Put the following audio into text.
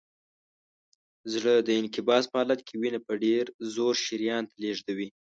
زړه د انقباض په حالت کې وینه په ډېر زور شریان ته لیږدوي.